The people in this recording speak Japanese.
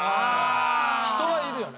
人はいるよね。